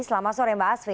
selamat sore mbak asfi